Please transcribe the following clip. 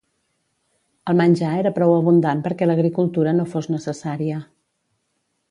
El menjar era prou abundant perquè l'agricultura no fos necessària.